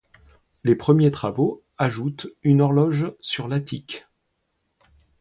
Les premiers travaux ajoutent une horloge sur l'attique.